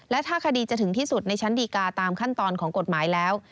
และถ้าคดีจะถึงที่สุดในชั้นดีการ์ตามขั้นตอนของกฎหมายแล้ว